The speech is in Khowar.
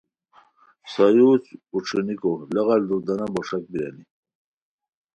سایورج پوݯھونیکو لغل دوردانہ بوݰاک بیرانی